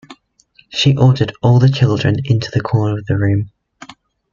She ordered all the children into the corner of the room.